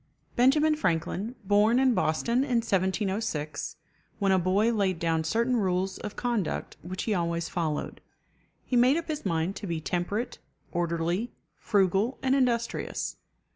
Benjamin Franklin, born in Boston in 1706, when a boy laid down certain rules of conduct which he always followed. He made up his mind to be temperate, orderly, frugal, and industrious.